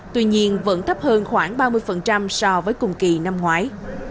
tuy nhiên vẫn thấp hơn khoảng ba mươi so với cùng kỳ năm ngoái